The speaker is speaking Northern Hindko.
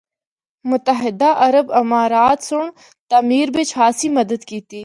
متحدہ عرب امارات سنڑ تعمیر بچ خاصی مدد کیتی۔